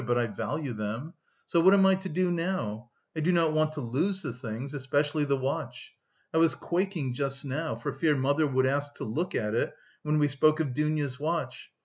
but I value them. So what am I to do now? I do not want to lose the things, especially the watch. I was quaking just now, for fear mother would ask to look at it, when we spoke of Dounia's watch.